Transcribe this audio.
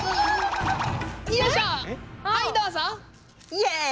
イエイ！